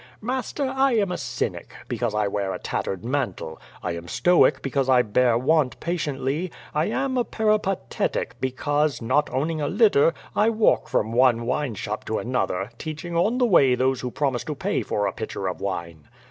"Master, I am a cynic, because I wear a tattered mantle. I am stoic because I bear want patiently; I am a peripatetic because, not owning a litter, I walk from one wine shop to another, teaching on the way those who promise to pay for a pitcher of wine."